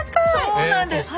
そうなんです。